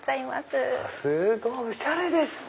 すごいおしゃれですね！